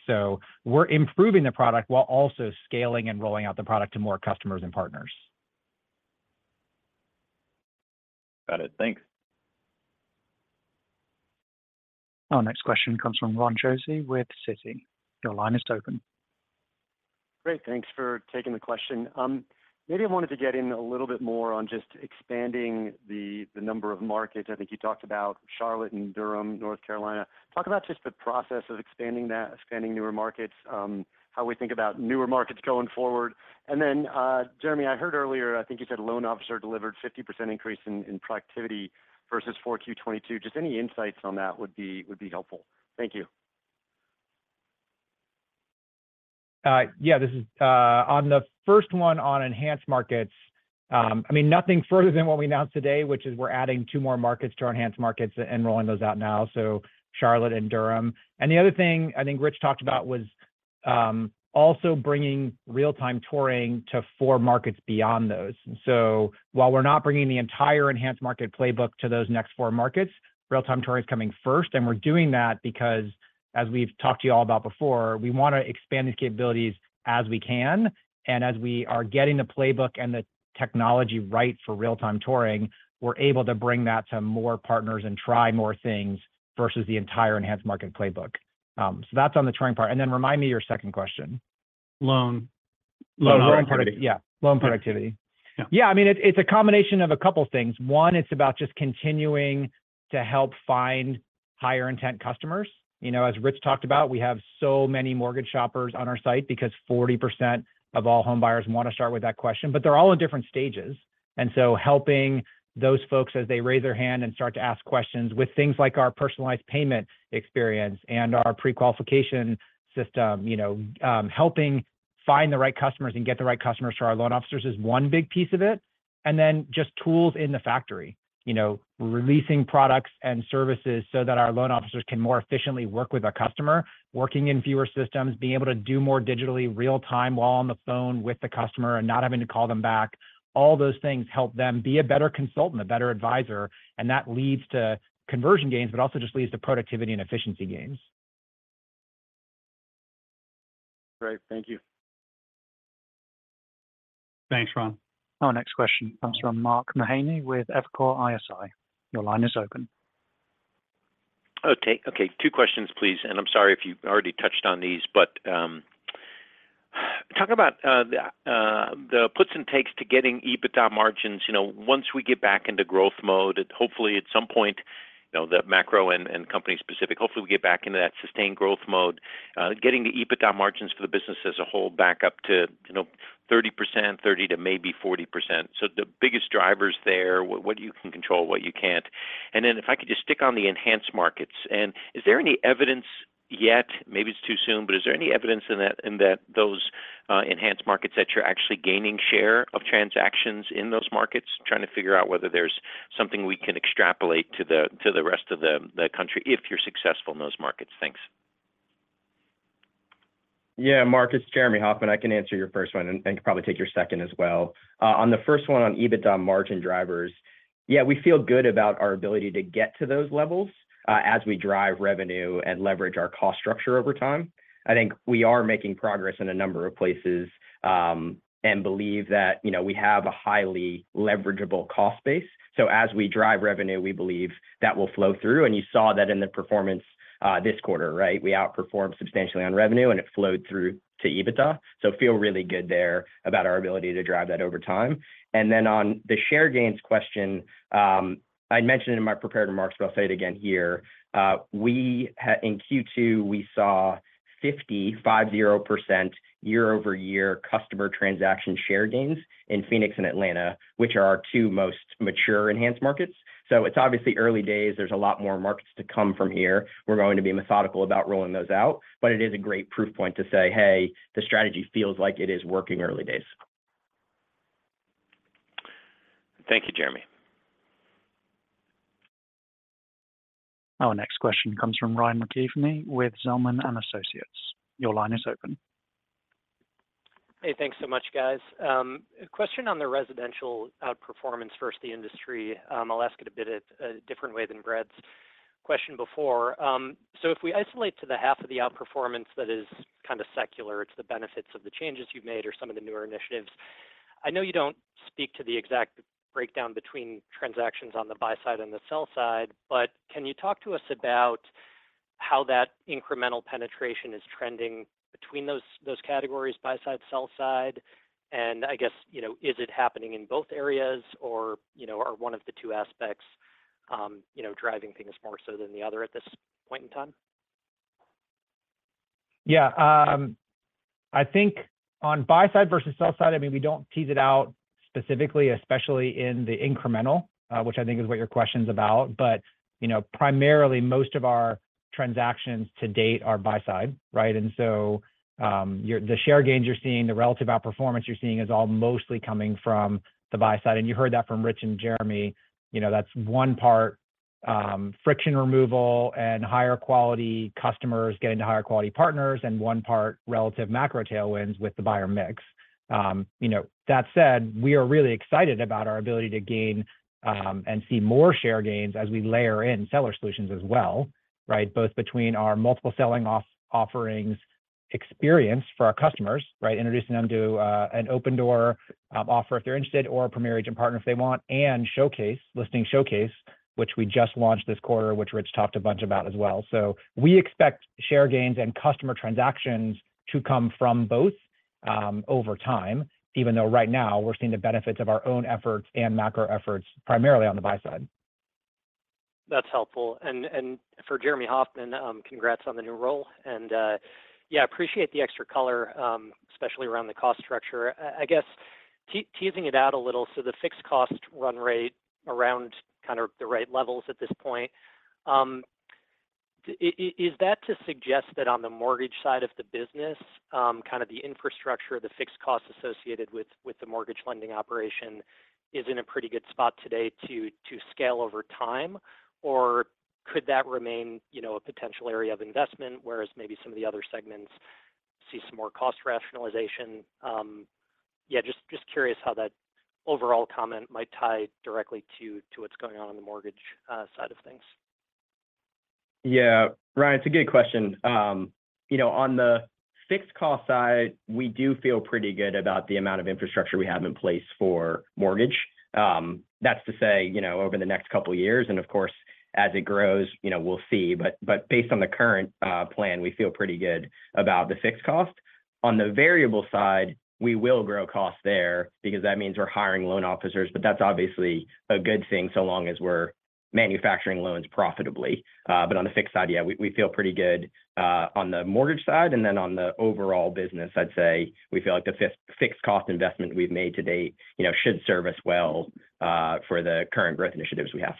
We're improving the product while also scaling and rolling out the product to more customers and partners. Got it. Thanks. Our next question comes from Ron Josey with Citi. Your line is open. Great, thanks for taking the question. Maybe I wanted to get in a little bit more on just expanding the, the number of markets. I think you talked about Charlotte and Durham, North Carolina. Talk about just the process of expanding that, expanding newer markets, how we think about newer markets going forward. And then, Jeremy, I heard earlier, I think you said a loan officer delivered 50% increase in, in productivity versus 4Q22. Just any insights on that would be, would be helpful. Thank you. Yeah, this is, on the first one on enhanced markets, nothing further than what we announced today, which is we're adding two more markets to our enhanced markets and rolling those out now, so Charlotte and Durham. The other thing I think Rich talked about was, also bringing real-time touring to four markets beyond those. While we're not bringing the entire enhanced market playbook to those next four markets, real-time touring is coming first, and we're doing that because, as we've talked to you all about before, we wanna expand the capabilities as we can. As we are getting the playbook and the technology right for real-time touring, we're able to bring that to more partners and try more things versus the entire enhanced market playbook. That's on the touring part. Remind me your second question. Loan. Loan productivity. Yeah. Loan productivity. Yeah. Yeah, I mean, it's a combination of a couple things. One, it's about just continuing to help find higher intent customers. You know, as Rich talked about, we have so many mortgage shoppers on our site because 40% of all home buyers want to start with that question, but they're all in different stages. helping those folks as they raise their hand and start to ask questions with things like our personalized payment experience and our prequalification system, you know, helping find the right customers and get the right customers to our loan officers is one big piece of it. just tools in the factory. You know, releasing products and services so that our loan officers can more efficiently work with our customer, working in fewer systems, being able to do more digitally, real time, while on the phone with the customer and not having to call them back. All those things help them be a better consultant, a better advisor, and that leads to conversion gains, but also just leads to productivity and efficiency gains. Great. Thank you. Thanks, Ron. Our next question comes from Mark Mahaney with Evercore ISI. Your line is open. Okay, okay, two questions, please. I'm sorry if you've already touched on these, but talk about the puts and takes to getting EBITDA margins. You know, once we get back into growth mode, and hopefully at some point, you know, the macro and company specific, hopefully, we get back into that sustained growth mode, getting the EBITDA margins for the business as a whole back up to, you know, 30%, 30%-40%. The biggest drivers there, what you can control, what you can't? Then if I could just stick on the enhanced markets, is there any evidence yet, maybe it's too soon, but is there any evidence in those enhanced markets, that you're actually gaining share of transactions in those markets? Trying to figure out whether there's something we can extrapolate to the, to the rest of the, the country, if you're successful in those markets. Thanks. Yeah, Mark, it's Jeremy Hofmann. I can answer your first one, and probably take your second as well. On the first one on EBITDA margin drivers, yeah, we feel good about our ability to get to those levels as we drive revenue and leverage our cost structure over time. I think we are making progress in a number of places, and believe that, you know, we have a highly leverageable cost base. As we drive revenue, we believe that will flow through, and you saw that in the performance this quarter, right? We outperformed substantially on revenue, and it flowed through to EBITDA. Feel really good there about our ability to drive that over time. Then on the share gains question, I'd mentioned in my prepared remarks, but I'll say it again here: in Q2, we saw 50% year-over-year customer transaction share gains in Phoenix and Atlanta, which are our two most mature enhanced markets. It's obviously early days. There's a lot more markets to come from here. We're going to be methodical about rolling those out. It is a great proof point to say, "Hey, the strategy feels like it is working," early days. Thank you, Jeremy. Our next question comes from Ryan McKeveny with Zelman & Associates. Your line is open. Hey, thanks so much, guys. A question on the residential outperformance versus the industry. I'll ask it a bit a different way than Brad's question before. If we isolate to the half of the outperformance that is kind of secular, it's the benefits of the changes you've made or some of the newer initiatives. I know you don't speak to the exact breakdown between transactions on the buy side and the sell side, but can you talk to us about how that incremental penetration is trending between those, those categories, buy side, sell side? I guess, you know, is it happening in both areas, or, you know, are one of the two aspects, you know, driving things more so than the other at this point in time? Yeah, I think on buy side versus sell side, I mean, we don't tease it out specifically, especially in the incremental, which I think is what your question's about. But, you know, primarily most of our transactions to date are buy side, right? And so, the share gains you're seeing, the relative outperformance you're seeing is all mostly coming from the buy side, and you heard that from Rich and Jeremy. You know, that's one part, friction removal and higher quality customers getting to higher quality partners, and one part relative macro tailwinds with the buyer mix. You know, that said, we are really excited about our ability to gain, and see more share gains as we layer in Seller Solutions as well, right? Both between our multiple selling offerings experience for our customers, right, introducing them to an Opendoor offer if they're interested or a Premier Agent partner if they want, and showcase, Listing Showcase, which we just launched this quarter, which Rich talked a bunch about as well. We expect share gains and customer transactions to come from both, over time, even though right now we're seeing the benefits of our own efforts and macro efforts, primarily on the buy side. That's helpful. For Jeremy Hofmann, congrats on the new role, and appreciate the extra color, especially around the cost structure. I, I guess, teasing it out a little, the fixed cost run rate around kind of the right levels at this point. Is that to suggest that on the mortgage side of the business, kind of the infrastructure, the fixed costs associated with, with the mortgage lending operation is in a pretty good spot today to, to scale over time, or could that remain, you know, a potential area of investment, whereas maybe some of the other segments see some more cost rationalization? Just, just curious how that overall comment might tie directly to, to what's going on in the mortgage, side of things. Yeah, Ryan, it's a good question. you know, on the fixed cost side, we do feel pretty good about the amount of infrastructure we have in place for mortgage. That's to say, you know, over the next couple of years, and of course, as it grows, you know, we'll see. Based on the current plan, we feel pretty good about the fixed cost. On the variable side, we will grow costs there because that means we're hiring loan officers, but that's obviously a good thing so long as we're manufacturing loans profitably. On the fixed side, yeah, we, we feel pretty good on the mortgage side, and then on the overall business, I'd say we feel like the fixed cost investment we've made to date, you know, should serve us well for the current growth initiatives we have.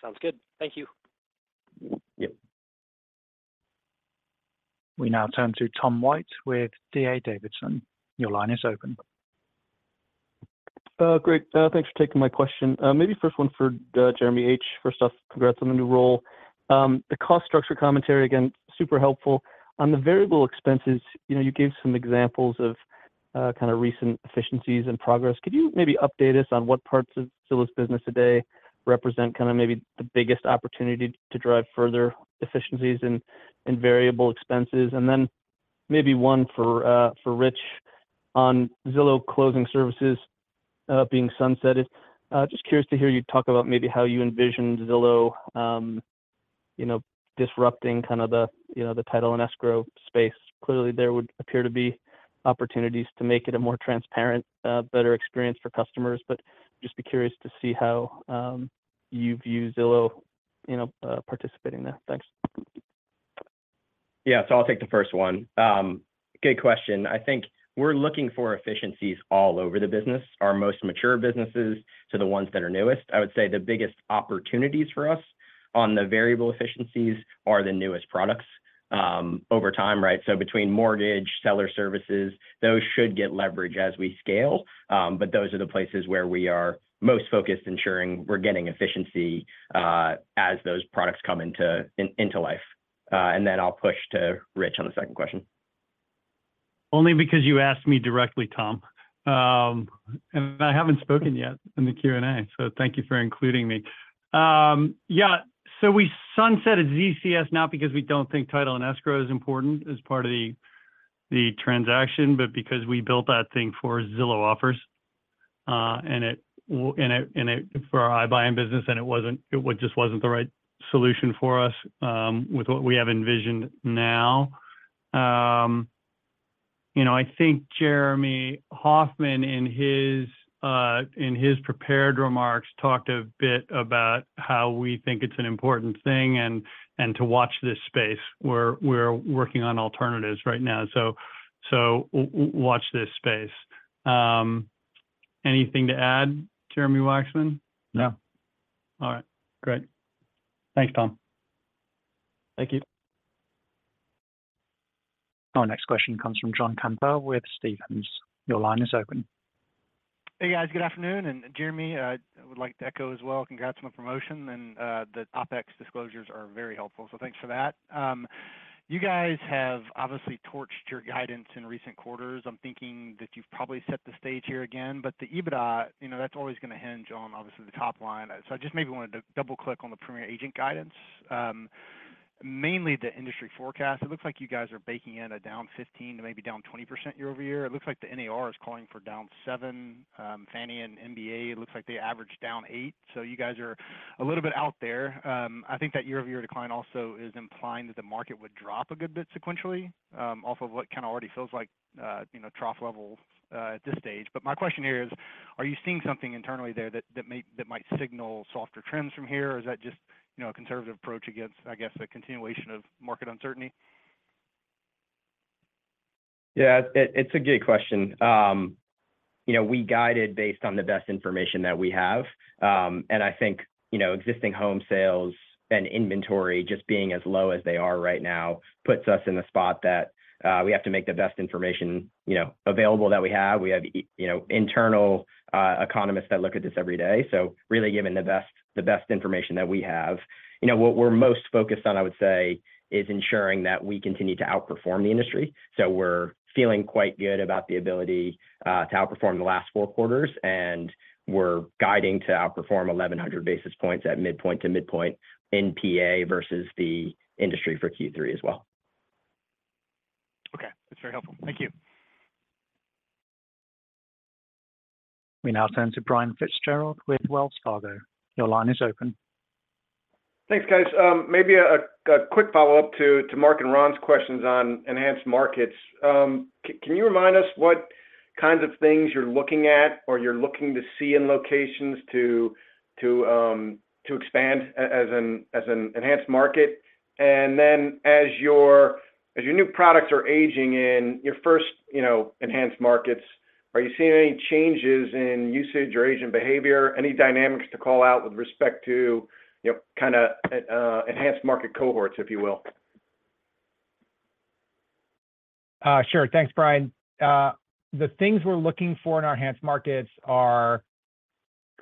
Sounds good. Thank you. Yep. We now turn to Tom White with D.A. Davidson. Your line is open. Great. Thanks for taking my question. Maybe first one for Jeremy H. First off, congrats on the new role. The cost structure commentary, again, super helpful. On the variable expenses, you know, you gave some examples of kind of recent efficiencies and progress. Could you maybe update us on what parts of Zillow's business today represent kind of maybe the biggest opportunity to drive further efficiencies and, and variable expenses? Then maybe one for Rich on Zillow Closing Services being sunsetted. Just curious to hear you talk about maybe how you envision Zillow, you know, disrupting kind of the, you know, the title and escrow space? Clearly, there would appear to be opportunities to make it a more transparent, better experience for customers, but just be curious to see how you view Zillow, you know, participating in that. Thanks. Yeah, I'll take the first one. Good question. I think we're looking for efficiencies all over the business, our most mature businesses to the ones that are newest. I would say the biggest opportunities for us on the variable efficiencies are the newest products, over time, right? Between mortgage, seller services, those should get leverage as we scale. Those are the places where we are most focused, ensuring we're getting efficiency, as those products come into life. Then I'll push to Rich on the second question. Only because you asked me directly, Tom. I haven't spoken yet in the Q&A, thank you for including me. We sunsetted ZCS, not because we don't think title and escrow is important as part of the, the transaction, but because we built that thing for Zillow Offers. It just wasn't the right solution for us with what we have envisioned now. You know, I think Jeremy Hofmann, in his prepared remarks, talked a bit about how we think it's an important thing and to watch this space. We're working on alternatives right now, watch this space. Anything to add, Jeremy Wacksman? No. All right. Great. Thanks, Tom. Thank you. Our next question comes from John Campbell with Stephens. Your line is open. Hey, guys. Good afternoon. Jeremy Hofmann, I would like to echo as well, congrats on the promotion, the OpEx disclosures are very helpful, so thanks for that. You guys have obviously torched your guidance in recent quarters. I'm thinking that you've probably set the stage here again, but the EBITDA, you know, that's always gonna hinge on, obviously, the top line. I just maybe wanted to double-click on the Premier Agent guidance. Mainly the industry forecast. It looks like you guys are baking in a down 15% to maybe down 20% year-over-year. It looks like the NAR is calling for down 7%. Fannie and MBA, it looks like they averaged down 8%. You guys are a little bit out there. I think that year-over-year decline also is implying that the market would drop a good bit sequentially, off of what kind of already feels like, you know, trough levels, at this stage. My question here is: Are you seeing something internally there that, that may, that might signal softer trends from here, or is that just, you know, a conservative approach against, I guess, the continuation of market uncertainty? Yeah, it, it's a good question. You know, we guided based on the best information that we have. I think, you know, existing home sales and inventory just being as low as they are right now, puts us in the spot that we have to make the best information, you know, available that we have. We have, you know, internal economists that look at this every day, so really giving the best, the best information that we have. You know, what we're most focused on, I would say, is ensuring that we continue to outperform the industry. We're feeling quite good about the ability to outperform the last four quarters, and we're guiding to outperform 1,100 basis points at midpoint to midpoint in PA versus the industry for Q3 as well. Okay. That's very helpful. Thank you. We now turn to Brian Fitzgerald with Wells Fargo. Your line is open. Thanks, guys. Maybe a quick follow-up to Mark and Ron's questions on enhanced markets. Can you remind us what kinds of things you're looking at or you're looking to see in locations to expand as an enhanced market? Then, as your new products are aging in, your first, you know, enhanced markets, are you seeing any changes in usage or agent behavior? Any dynamics to call out with respect to, you know, kinda, enhanced market cohorts, if you will? Sure. Thanks, Brian. The things we're looking for in our enhanced markets are.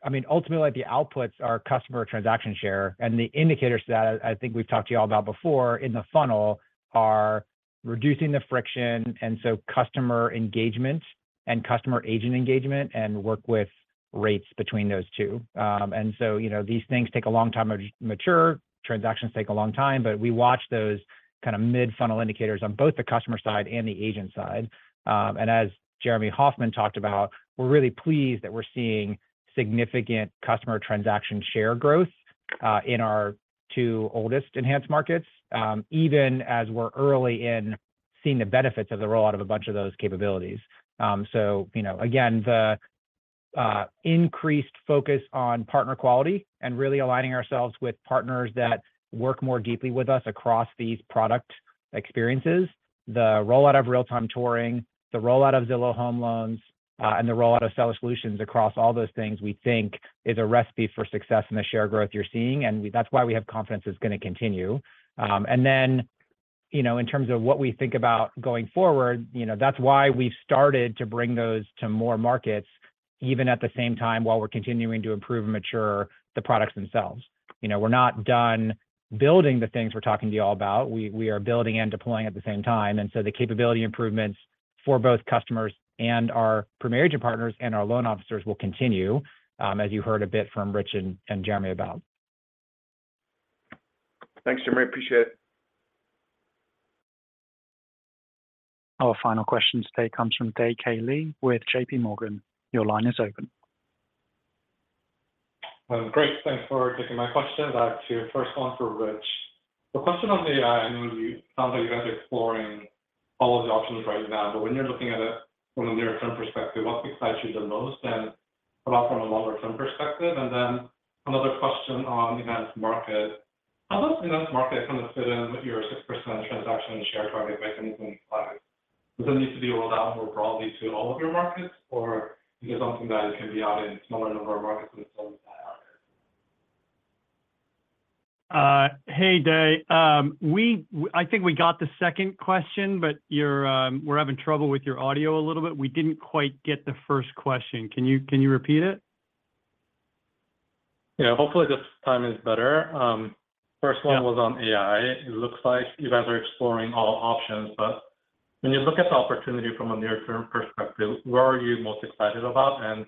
I mean, ultimately, the outputs are customer transaction share. The indicators that I, I think we've talked to you all about before in the funnel are reducing the friction, and so customer engagement and customer-agent engagement and work with rates between those two. You know, these things take a long time to mature. Transactions take a long time, but we watch those kind of mid-funnel indicators on both the customer side and the agent side. As Jeremy Hofmann talked about, we're really pleased that we're seeing significant customer transaction share growth in our two oldest enhanced markets, even as we're early in seeing the benefits of the rollout of a bunch of those capabilities. You know, again, the increased focus on partner quality and really aligning ourselves with partners that work more deeply with us across these product experiences, the rollout of real-time touring, the rollout of Zillow Home Loans, and the rollout of Seller Solutions across all those things, we think is a recipe for success in the share growth you're seeing, and that's why we have confidence it's gonna continue. You know, in terms of what we think about going forward, you know, that's why we've started to bring those to more markets, even at the same time, while we're continuing to improve and mature the products themselves. You know, we're not done building the things we're talking to you all about. We, we are building and deploying at the same time, and so the capability improvements for both customers and our Premier Agent partners and our loan officers will continue, as you heard a bit from Rich and, and Jeremy about. Thanks, Jeremy. Appreciate it. Our final question today comes from Dae K. Lee with JPMorgan. Your line is open. Great. Thanks for taking my question. Back to your first one for Rich. The question on the AI, I know sounds like you guys are exploring all of the options right now, but when you're looking at it from a near-term perspective, what excites you the most, and about from a longer-term perspective? Another question on enhanced market: How does enhanced market kind of fit in with your 6% transaction share target by 2025? Does it need to be rolled out more broadly to all of your markets, or is it something that can be out in a smaller number of markets than it's already out in? Hey, Dae. I think we got the second question, but you're. We're having trouble with your audio a little bit. We didn't quite get the first question. Can you, can you repeat it? Yeah, hopefully this time is better. First one was on AI. It looks like you guys are exploring all options, but when you look at the opportunity from a near-term perspective, where are you most excited about, and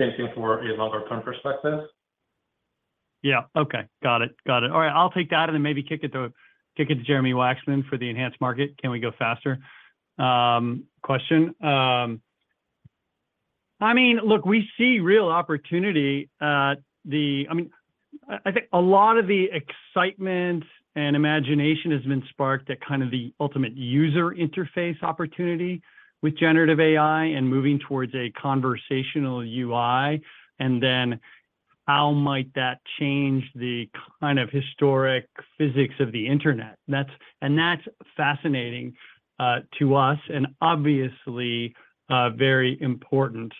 same thing for a longer-term perspective? Yeah. Okay. Got it. Got it. All right, I'll take that, and then maybe kick it to, kick it to Jeremy Wacksman for the enhanced market. Can we go faster, question? I mean, look, we see real opportunity. I mean, I, I think a lot of the excitement and imagination has been sparked at kind of the ultimate user interface opportunity with generative AI and moving towards a conversational UI, and then how might that change the kind of historic physics of the internet? And that's fascinating to us, and obviously, very important.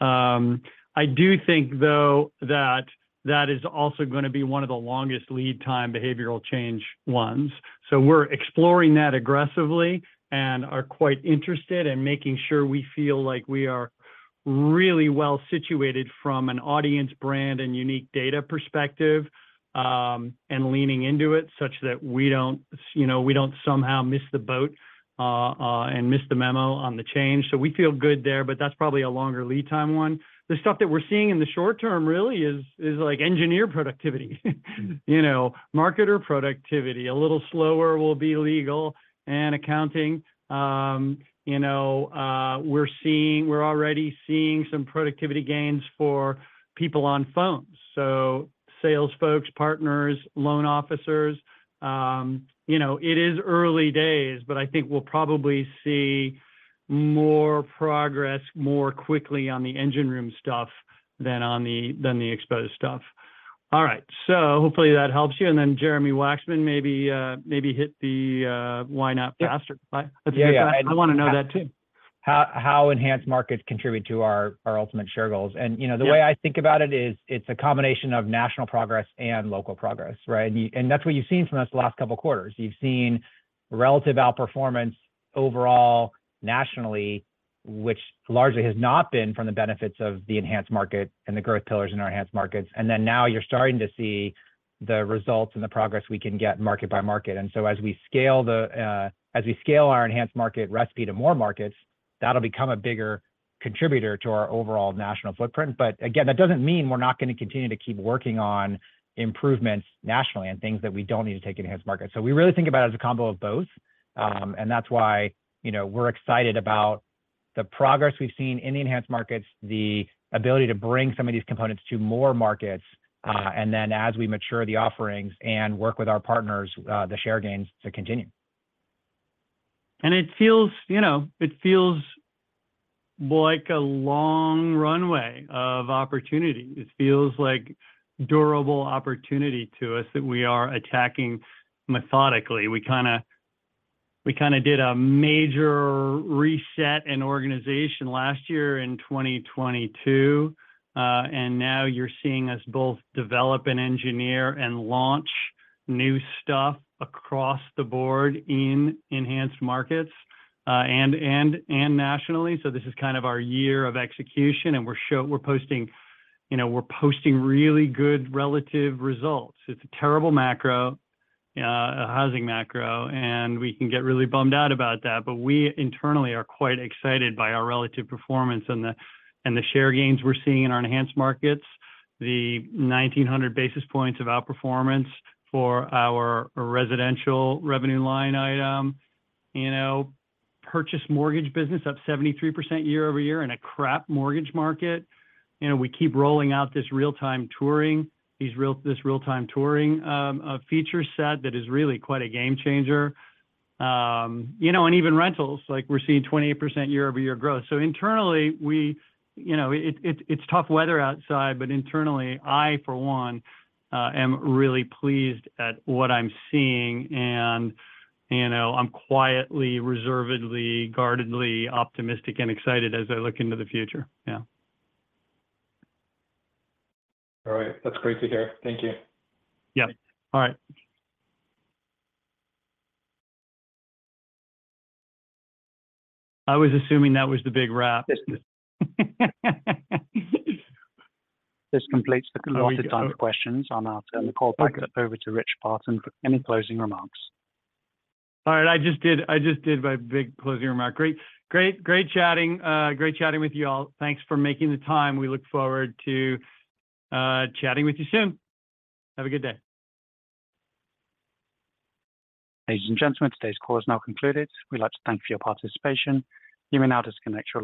I do think, though, that that is also gonna be one of the longest lead time behavioral change ones. We're exploring that aggressively and are quite interested in making sure we feel like we are really well-situated from an audience, brand, and unique data perspective, and leaning into it such that we don't, you know, we don't somehow miss the boat, and miss the memo on the change. We feel good there, but that's probably a longer lead time one. The stuff that we're seeing in the short term really is, is, like, engineer productivity. You know, marketer productivity. A little slower will be legal and accounting. You know, we're seeing- we're already seeing some productivity gains for people on phones, so sales folks, partners, loan officers. You know, it is early days, but I think we'll probably see more progress more quickly on the engine room stuff than on the, than the exposed stuff. All right, so hopefully that helps you. Then Jeremy Wacksman, maybe, maybe hit the, why not faster? Yeah. I wanna know that, too. How, how enhanced markets contribute to our, our ultimate share goals. you know... Yeah... the way I think about it is it's a combination of national progress and local progress, right? That's what you've seen from us the last couple quarters. You've seen relative outperformance overall nationally, which largely has not been from the benefits of the enhanced market and the growth pillars in our enhanced markets. Then now you're starting to see the results and the progress we can get market by market. So as we scale the, as we scale our enhanced market recipe to more markets, that'll become a bigger contributor to our overall national footprint. Again, that doesn't mean we're not gonna continue to keep working on improvements nationally and things that we don't need to take enhanced market. We really think about it as a combo of both. That's why, you know, we're excited about the progress we've seen in the enhanced markets, the ability to bring some of these components to more markets. As we mature the offerings and work with our partners, the share gains to continue. It feels, you know, it feels like a long runway of opportunity. It feels like durable opportunity to us that we are attacking methodically. We kinda did a major reset in organization last year in 2022, and now you're seeing us both develop and engineer and launch new stuff across the board in enhanced markets, and nationally. This is kind of our year of execution, and we're posting, you know, we're posting really good relative results. It's a terrible macro, a housing macro, and we can get really bummed out about that, but we internally are quite excited by our relative performance and the, and the share gains we're seeing in our enhanced markets. The 1,900 basis points of outperformance for our residential revenue line item, you know, purchase mortgage business up 73% year-over-year in a crap mortgage market. You know, we keep rolling out this real-time touring, this real-time touring feature set that is really quite a game changer. You know, even rentals, like, we're seeing 28% year-over-year growth. Internally, we, you know, it, it's, it's tough weather outside, but internally, I, for one, am really pleased at what I'm seeing. You know, I'm quietly, reservedly, guardedly optimistic and excited as I look into the future. Yeah. All right. That's great to hear. Thank you. Yep. All right. I was assuming that was the big wrap. This completes the allotted time for questions. I'll now turn the call back over to Rich Barton for any closing remarks. All right, I just did, I just did my big closing remark. Great, great, great chatting. Great chatting with you all. Thanks for making the time. We look forward to chatting with you soon. Have a good day. Ladies and gentlemen, today's call is now concluded. We'd like to thank you for your participation. You may now disconnect your-